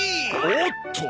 おっと！